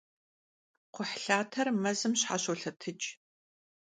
Kxhuhlhater mezım şheşolhetıç'.